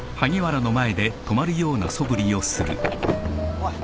おい。